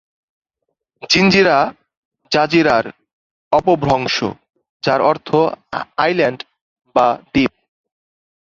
জিনজিরা-জাজিরার অপভ্রংশ, যার অর্থ আইল্যান্ড বা দ্বীপ।